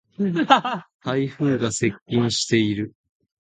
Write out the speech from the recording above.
台風が接近している。